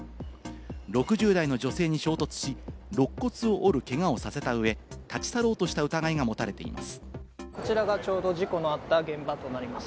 ６０代の女性に衝突し、肋骨を折るけがをさせた上、立ち去ろうとした疑いが持たれています。